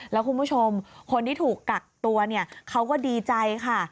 แล้วคุณผู้ชมคนที่ถูกกักตัวเนี่ยเขาก็ดีใจค่ะ